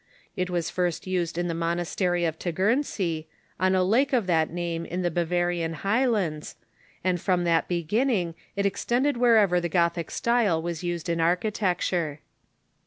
It was first used in the monasterj^ of Tegernsee, on a lake of that name in the Bavarian Highlands, and from that beginning it extended wherever the Gothic style was used in architecture.